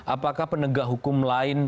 apakah penegak hukum lain